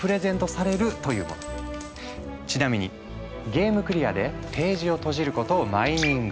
ちなみにゲームクリアでページをとじることをマイニング